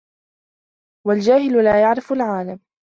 وَالْجَاهِلُ لَا يَعْرِفُ الْعَالِمَ